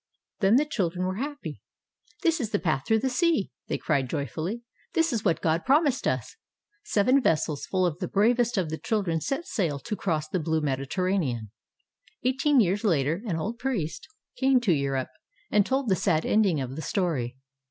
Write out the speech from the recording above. Then the children were happy. "This is the path through the sea," they cried joyfully. "This is what God promised us." Seven ves sels full of the bravest of the children set sail to cross the blue Mediterranean. Eighteen years later, an old priest came to Europe and told the sad ending of the story.